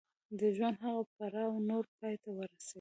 د ژوند هغه پړاو نور پای ته ورسېد.